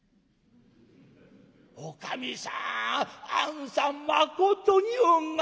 おかみさんあんさんまことに運がよろしい。